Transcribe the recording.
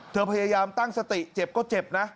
พยายามตั้งสติเจ็บก็เจ็บนะ